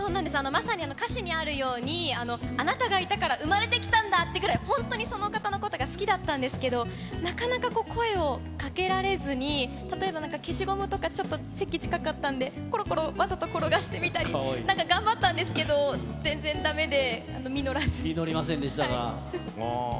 まさに歌詞にあるように、あなたがいたから生まれてきたんだっていうぐらい、本当にその方のことが好きだったんですけど、なかなか声をかけられずに、例えば消しゴムとかちょっと席近かったんで、ころころわざと転がしてみたり、なんか頑張ったんで実りませんでしたか。